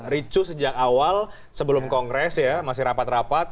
ricu sejak awal sebelum kongres ya masih rapat rapat